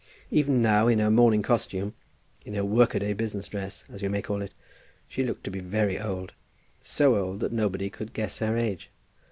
Even now, in her morning costume, in her work a day business dress, as we may call it, she looked to be very old, so old that nobody could guess her age.